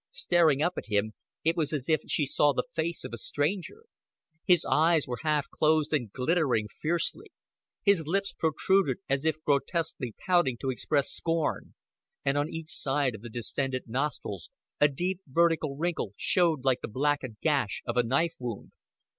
Staring up at him, it was as if she saw the face of a stranger. His eyes were half closed and glittering fiercely; his lips protruded as if grotesquely pouting to express scorn, and on each side of the distended nostrils a deep vertical wrinkle showed like the blackened gash of a knife wound.